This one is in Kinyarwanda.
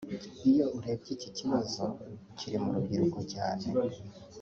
Iyo urebye iki kibazo kiri mu rubyiruko cyane